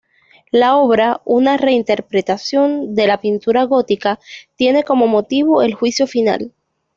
La obra, una reinterpretación de la pintura gótica, tiene como motivo el Juicio Final.